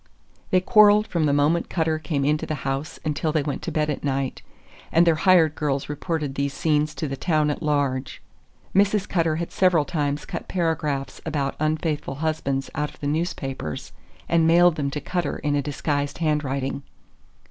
They quarreled from the moment Cutter came into the house until they went to bed at night, and their hired girls reported these scenes to the town at large. Mrs. Cutter had several times cut paragraphs about unfaithful husbands out of the newspapers and mailed them to Cutter in a disguised handwriting.